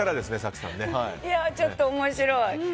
ちょっと面白い。